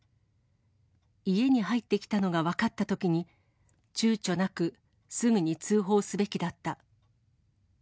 家に入ってきたのが分かったときに、ちゅうちょなくすぐに通報すべきだった。